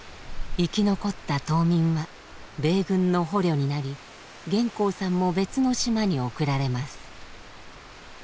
生き残った島民は米軍の捕虜になり彦興さんも別の島に送られます。